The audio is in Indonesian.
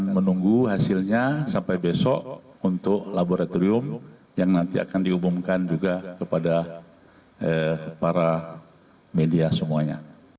menunggu hasilnya sampai besok untuk laboratorium yang nanti akan diumumkan juga kepada para media semuanya